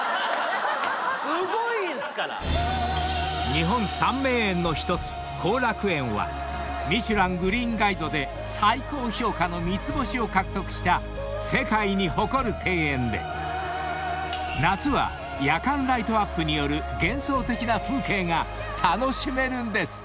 ［日本三名園の１つ後楽園は『ミシュラン・グリーンガイド』で最高評価の３つ星を獲得した世界に誇る庭園で夏は夜間ライトアップによる幻想的な風景が楽しめるんです］